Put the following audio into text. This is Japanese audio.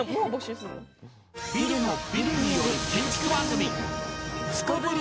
ビルのビルによる建築番組